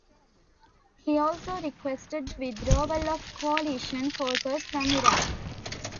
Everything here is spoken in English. He also requested the withdrawal of coalition forces from Iraq.